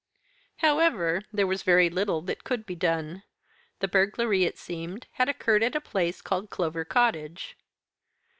"However, there was very little that could be done. The burglary, it seemed, had occurred at a place called Clover Cottage."